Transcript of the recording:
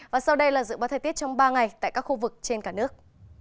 và sau đây là dự báo thời tiết trong ba ngày tại các khu vực trên cả nước